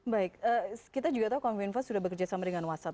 baik kita juga tahu kominfo sudah bekerja sama dengan whatsapp